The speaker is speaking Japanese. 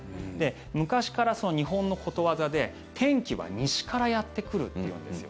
昔から日本のことわざで天気は西からやってくるというんですよ。